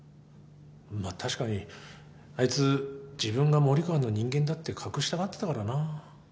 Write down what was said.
まあ確かにあいつ自分が森川の人間だって隠したがってたからな。